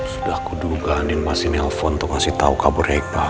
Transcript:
sudah kuduganin mas ini telepon untuk kasih tahu kaburnya iqbal